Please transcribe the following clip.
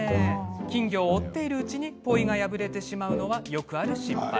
金魚を追っているうちにポイが破れてしまうのはよくある失敗。